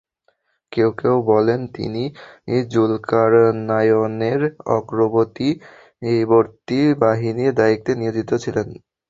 কেউ কেউ বলেন, তিনি যুলকারনায়নের অগ্রবর্তী বাহিনীর দায়িত্বে নিয়োজিত ছিলেন।